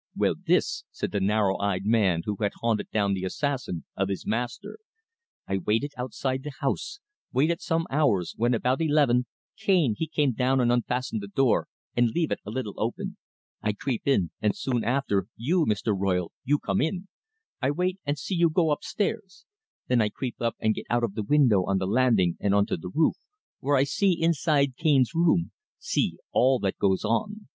"Well, this," said the narrow eyed man who had hunted down the assassin of his master. "I waited outside the house waited some hours when about eleven Cane he came down and unfastened the door and leave it a little open. I creep in, and soon after you, Mr. Royle, you come in. I wait and see you go upstairs. Then I creep up and get out of the window on the landing and on to the roof, where I see inside Cane's room see all that goes on.